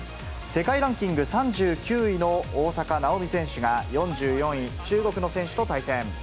世界ランキング３９位の大坂なおみ選手が４４位、中国の選手と対戦。